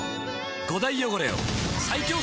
５大汚れを最強洗浄！